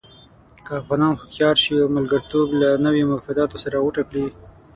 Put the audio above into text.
که افغانان هوښیار شي او ملګرتوب له نویو مفاداتو سره غوټه کړي.